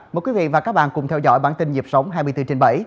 mời quý vị và các bạn cùng theo dõi bản tin nhịp sống hai mươi bốn trên bảy